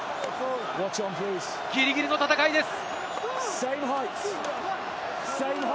ギリギリの戦いです。